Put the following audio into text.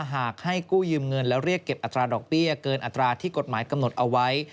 หากให้กู้ยืมเงินและเรียกเก็บอัตราดอกเบี้ยเกินอัตราที่กฎหมายกำหนดเอาไว้